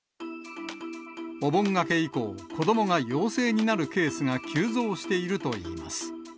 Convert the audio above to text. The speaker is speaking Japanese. お盆明け以降、子どもが陽性になるケースが急増しているといいます。